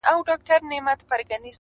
o خاوري دي ژوند سه، دا دی ارمان دی.